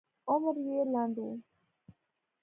عمر یې لنډ و.